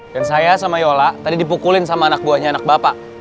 dan saya sama yola tadi dipukulin sama anak buahnya anak bapak